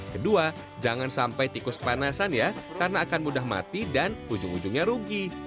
kedua jangan sampai tikus kepanasan ya karena akan mudah mati dan ujung ujungnya rugi